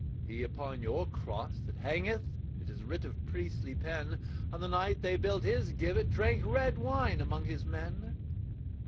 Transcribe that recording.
He upon your cross that hangeth, It is writ of priestly pen, On the night they built his gibbet, Drank red wine among his men.